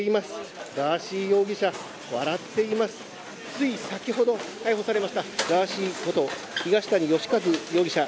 つい先ほど、逮捕されましたガーシーこと東谷義和容疑者。